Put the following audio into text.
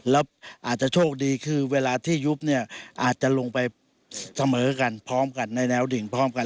แล้วอาจจะโชคดีคือเวลาที่ยุบเนี่ยอาจจะลงไปเสมอกันพร้อมกันในแนวดิ่งพร้อมกัน